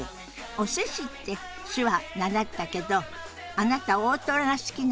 「お寿司」って手話習ったけどあなた大トロが好きなんですって？